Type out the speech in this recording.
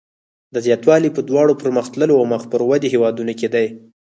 دا زیاتوالی په دواړو پرمختللو او مخ پر ودې هېوادونو کې دی.